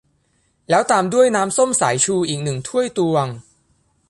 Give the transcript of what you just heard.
แล้วตามด้วยน้ำส้มสายชูอีกหนึ่งถ้วยตวง